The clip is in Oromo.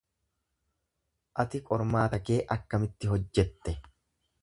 Ati qormaata kee akkamitti hojjatte?